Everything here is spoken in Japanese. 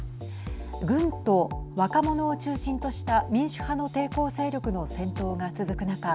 軍と若者を中心とした民主派の抵抗勢力の戦闘が続く中